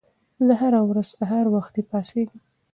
زه هره ورځ سهار وختي پاڅېږم.